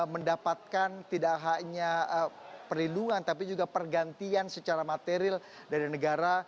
mendapatkan tidak hanya perlindungan tapi juga pergantian secara material dari negara